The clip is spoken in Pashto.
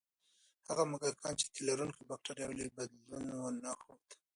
هغه موږکان چې د تیلرونکي بکتریاوې لري، بدلون ونه ښود.